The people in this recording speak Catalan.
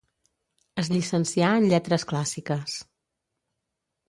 Es llicencià en lletres clàssiques.